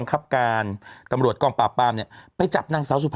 ขออภาคของเขานี่คือกงสับ